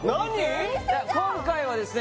今回はですね